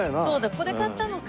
ここで買ったのか。